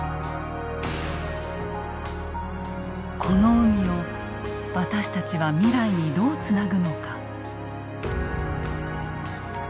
この海を私たちは未来にどうつなぐのか。